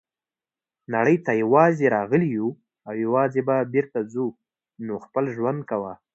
نړۍ ته یوازي راغلي یوو او یوازي به بیرته ځو نو خپل ژوند کوه.